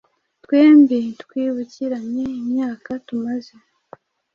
Twembi twibukiranye imyaka tumaze